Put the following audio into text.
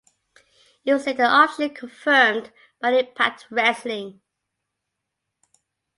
It was later officially confirmed by Impact Wrestling.